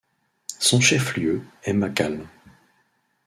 Son chef-lieu est Makale.